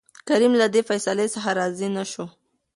کريم له دې فيصلې څخه راضي نه شو.